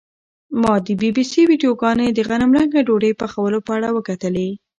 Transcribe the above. ما د بي بي سي ویډیوګانې د غنمرنګه ډوډۍ پخولو په اړه وکتلې.